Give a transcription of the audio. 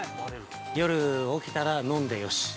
◆夜起きたら、飲んでよし。